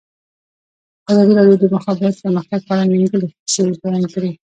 ازادي راډیو د د مخابراتو پرمختګ په اړه د نېکمرغۍ کیسې بیان کړې.